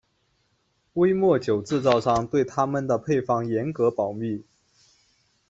威末酒制造商对他们的配方严格保密。